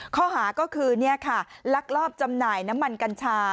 ข้อหาก็คือลักลอบจำหน่ายน้ำมันกัญชา